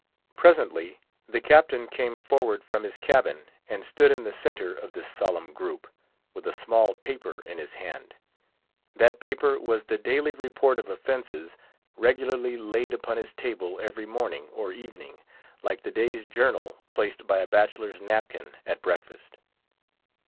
Presently the Captain came forward from his cabin, and stood in the centre of this solemn group, with a small paper in his hand. That paper was the daily report of offences, regularly laid upon his table every morning or evening, like the day's journal placed by a bachelor's napkin at breakfast.